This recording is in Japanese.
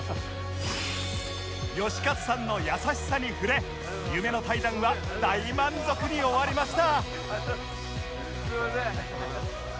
能活さんの優しさに触れ夢の対談は大満足に終わりました